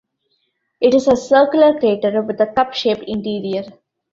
It is a circular crater with a cup-shaped interior.